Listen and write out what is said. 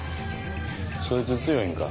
そいつ強いんか？